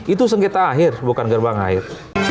itu sengketa akhir bukan gerbang akhir